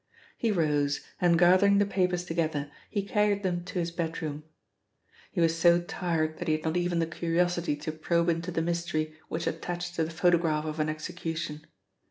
He rose, and gathering the papers together, he carried them to his bedroom. He was so tired that he had not even the curiosity to probe into the mystery which attached to the photograph of an execution.